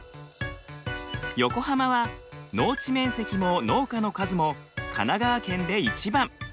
横浜は農地面積も農家の数も神奈川県で一番。